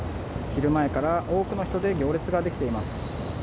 昼前から多くの人で行列が出来ています。